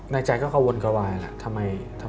ไหนใจก็เข้าวนกระวายละทำไม